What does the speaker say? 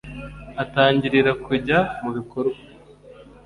atangirira kujya mu bikorwa